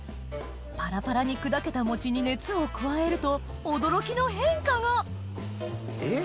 パラパラに砕けた餅に熱を加えると驚きの変化がえっ？